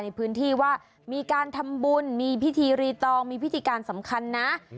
ในพื้นที่ว่ามีการทำบุญมีพิธีรีตองมีพิธีการสำคัญนะ